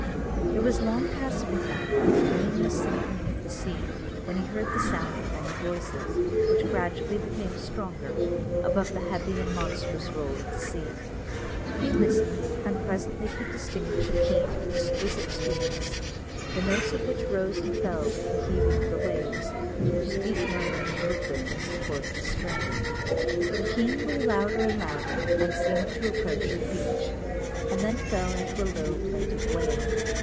It was long past midnight, and the moon was sinking into the sea, when he heard the sound of many voices, which gradually became stronger, above the heavy and monotonous roll of the sea. He listened, and presently could distinguish a Keen of exquisite sweetness, the notes of which rose and fell with the heaving of the waves, whose deep murmur mingled with and supported the strain! The Keen grew louder and louder, and seemed to approach the beach, and then fell into a low, plaintive wail.